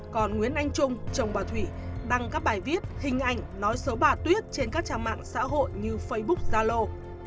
còn nguyễn anh trung chồng bà thủy đăng các bài viết hình ảnh nói xấu bà tuyết trên các trang mạng xã hội như facebook zalo